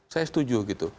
saya setuju gitu